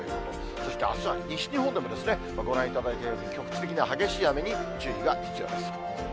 そしてあすは西日本でもご覧いただいているように、局地的な激しい雨に注意が必要です。